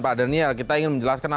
pak daniel kita ingin menjelaskan